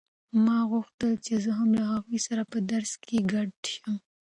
ما غوښتل چې زه هم له هغوی سره په درس کې ګډه شم.